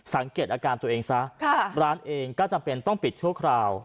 สังเกตอาการตัวเองซะร้านเองก็จำเป็นต้องปิดชั่วคราว